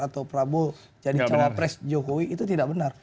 atau prabowo jadi cawapres jokowi itu tidak benar